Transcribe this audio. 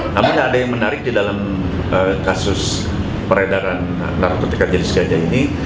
namun ada yang menarik di dalam kasus peredaran narkotika jenis ganja ini